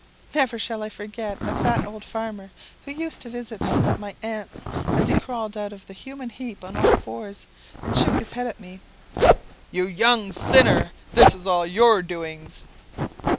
"Never shall I forget a fat old farmer, who used to visit at my aunt's, as he crawled out of the human heap on all fours, and shook his head at me "'You wicked young sinner, this is all your doings.'